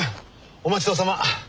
お待ち遠さま。